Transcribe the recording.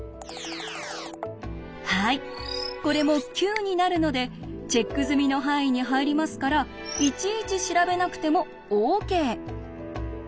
はいこれも９になるのでチェック済みの範囲に入りますからいちいち調べなくてもＯＫ。